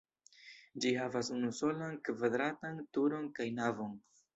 Ĝi havas unusolan kvadratan turon kaj navon.